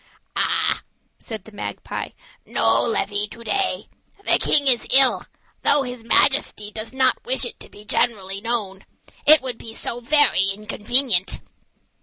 "Ah," said the magpie, "no levee to day. The King is ill, though his Majesty does not wish it to be generally known it would be so very inconvenient.